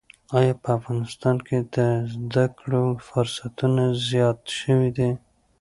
ایا په افغانستان کې د زده کړو فرصتونه زیات شوي دي؟